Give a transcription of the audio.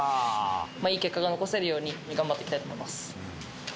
いい結果が残せるように頑張っていきたいと思います。